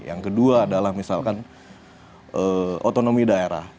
yang kedua adalah misalkan otonomi daerah